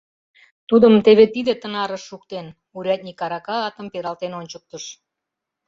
Тудым теве тиде тынарыш шуктен, — урядник арака атым пералтен ончыктыш.